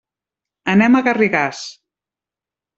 Anem a Garrigàs.